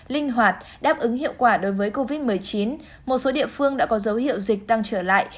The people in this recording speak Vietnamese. linh hoạt đáp ứng hiệu quả đối với covid một mươi chín một số địa phương đã có dấu hiệu dịch tăng trở lại